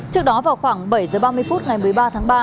trước đó vào khoảng bảy h ba mươi phút ngày một mươi ba tháng ba